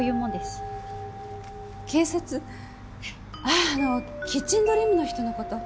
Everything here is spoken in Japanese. あああのキッチンドリームの人の事？